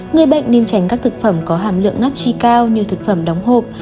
năm người bệnh nên tránh các thực phẩm có hàm lượng nát chi cao như thực phẩm đóng hộp